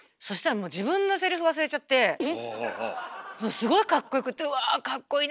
すごいかっこよくって「うわかっこいいな。